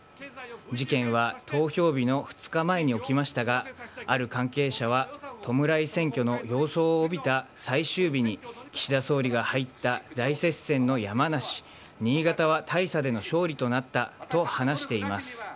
事件は投票日の２日前に起きましたが、ある関係者は、弔い選挙の様相を帯びた最終日に岸田総理が入った大接戦の山梨、新潟は大差での勝利となったと話しています。